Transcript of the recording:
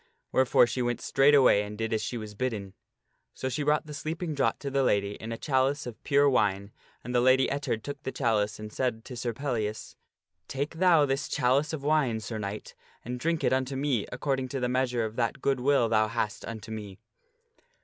Wherefore she went straightway and did as she was bidden. So she brought the sleeping draught to the lady in a chalice of pure wine, and the Lady Ettard took the chalice and said to Sir Pellias, " Take thou this chalice of wine, Sir Knight, and drink it unto me according to the meas ure of that good will thou hast unto me."